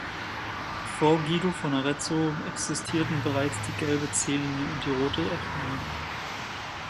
Vor Guido von Arezzo existierten bereits die gelbe C-Linie und die rote F-Linie.